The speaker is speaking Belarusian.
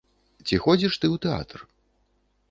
Ці ходзіш ты ў тэатр?